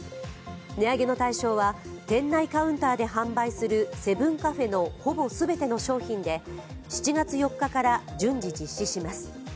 値上げの対象は、店内カウンターで販売するセブンカフェのほぼ全ての商品で７月４日から順次実施します。